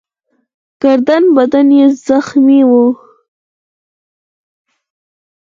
ګرده بدن يې زخمي وو.